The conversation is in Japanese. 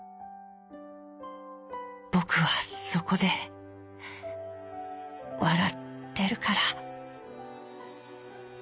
ぼくはそこでわらってるから」。